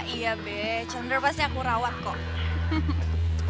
iya be candor pasti aku rawat kok